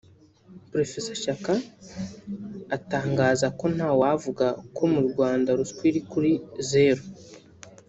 Prof Shyaka atangaza ko ntawavuga ko mu Rwanda ruswa iri kuri zeru